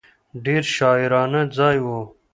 ډېر شاعرانه ځای و.